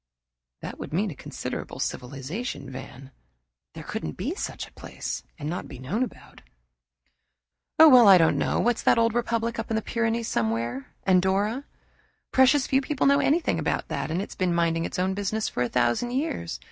"That would mean a considerable civilization, Van. There couldn't be such a place and not known about." "Oh, well, I don't know. What's that old republic up in the Pyrenees somewhere Andorra? Precious few people know anything about that, and it's been minding its own business for a thousand years.